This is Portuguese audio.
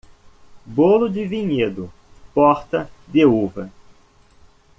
Bolo de vinhedo, porta de uva.